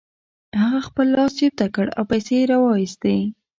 هغه خپل لاس جيب ته کړ او پيسې يې را و ايستې.